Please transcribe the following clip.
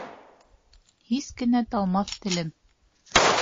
Һис кенә талмаҫ телем.